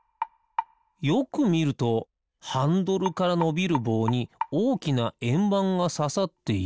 よくみるとハンドルからのびるぼうにおおきなえんばんがささっている。